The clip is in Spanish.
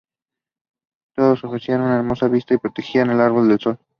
Todos ofrecían una hermosa vista y protegían del ardor del sol.